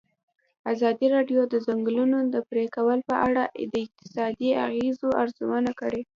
ازادي راډیو د د ځنګلونو پرېکول په اړه د اقتصادي اغېزو ارزونه کړې.